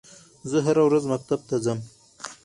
زه هره ورځ مکتب ته ځم